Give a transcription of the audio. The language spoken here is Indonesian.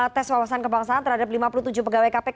tes wawasan kebangsaan terhadap lima puluh tujuh pegawai kpk